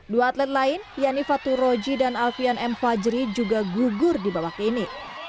dua atlet lain yani faturoji dan afian m fajri juga gugur di babak ini